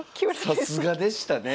さすがでしたね。